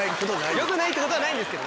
よくないってことはないですけど。